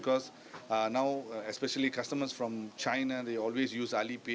karena sekarang khususnya pelanggan dari china selalu menggunakan alipay